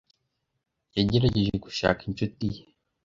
Yagerageje gushaka inshuti ye.